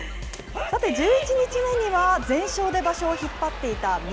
さて十一日目には全勝で場所を引っ張っていた翠